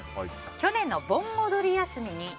去年の盆踊り休みに。